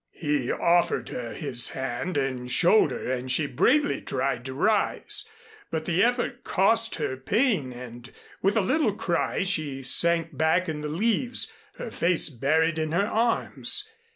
He offered her his hand and shoulder and she bravely tried to rise, but the effort cost her pain and with a little cry she sank back in the leaves, her face buried in her arms.